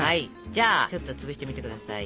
じゃあちょっと潰してみて下さい。